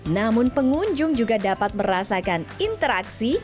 namun pengunjung juga dapat merasakan interaksi